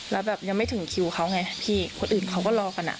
แล้วแบบยังไม่ถึงคิวเขาไงพี่คนอื่นเขาก็รอกันอ่ะ